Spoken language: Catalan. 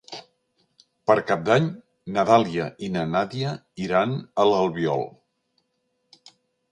Per Cap d'Any na Dàlia i na Nàdia iran a l'Albiol.